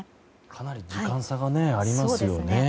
かなり時間差がありますね。